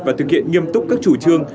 và thực hiện nghiêm túc các chủ trương